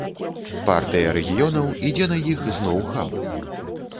Партыя рэгіёнаў ідзе на іх з ноў-хаў.